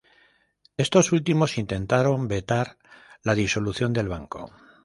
Estos últimos intentaron vetar la disolución del banco.